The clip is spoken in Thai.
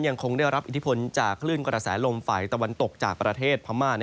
ยังคงได้รับอิทธิพลจากคลื่นกระแสลมฝ่ายตะวันตกจากประเทศพม่า